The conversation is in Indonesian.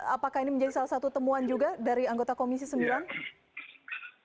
apakah ini menjadi salah satu temuan juga dari anggota komisi sembilan